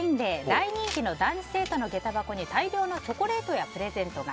大人気の男子生徒の下駄箱に大量のチョコレートやプレゼントが。